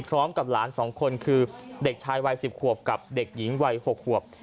พร้อมกับหลาน๒คนคือเด็กชายวัย๑๐ขวบกับเด็กหญิงวัย๖ขวบ